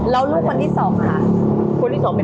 แล้วลูกคนที่สองค่ะ